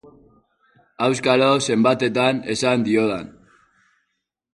Auskalo zenbatetan esan diodan!